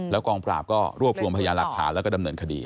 แล้วกองปราบก็รวบรวมพยายามหลักทราบแล้วก็ดำเนินคดี